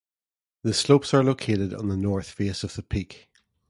The slopes are located on the north face of the peak.